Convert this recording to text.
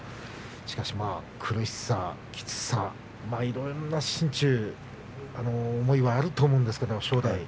しかし、苦しさ、きつさいろいろ心中思いはあると思うんですけどね